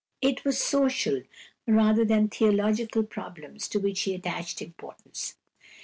It was social rather than theological problems to which he attached importance.